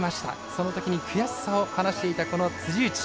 そのときに悔しさを話していた、辻内。